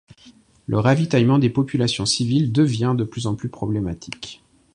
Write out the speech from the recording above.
Le ravitaillement des populations civiles devient de plus en plus problématique.